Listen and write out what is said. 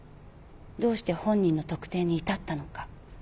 どうして本人の特定に至ったのか？